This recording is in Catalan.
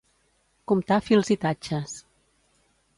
Comptar fils i tatxes.